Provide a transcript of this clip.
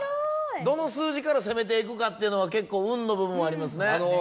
どの数字から攻めていくかっていうのは結構運の部分もありますね。